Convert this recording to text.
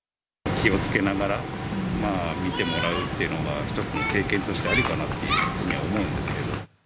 気をつけながら見てもらうっていうのは、一つの経験としてありかなっていうふうには思うんですけど。